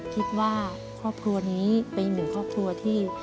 คิดว่าครอบครัวนี้เป็นอีกหนึ่งครอบครัวที่